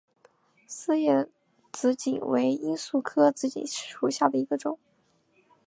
丝叶紫堇为罂粟科紫堇属下的一个种。